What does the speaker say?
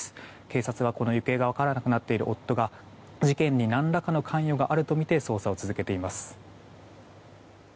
警察は、行方が分からなくなっている夫が事件に何らかの関与があるとみて捜査を続けています。